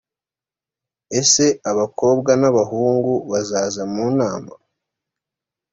ese abakobwa n’ abahungu bazaza munama?